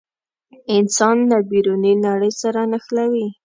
انسان له بیروني نړۍ سره نښلوي.